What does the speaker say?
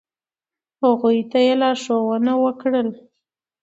، هغوی ته یی لارښونه وکړه ل